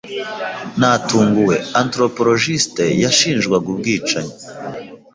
Natunguwe, anthropologiste yashinjwaga ubwicanyi.